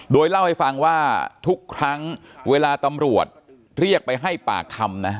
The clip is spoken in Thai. โดยเล่าให้ฟังว่าทุกครั้งเวลาตำรวจเรียกไปให้ปากคำนะ